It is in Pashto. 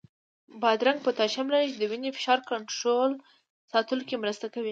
بادرنګ پوتاشیم لري، چې د وینې فشار کنټرول ساتلو کې مرسته کوي.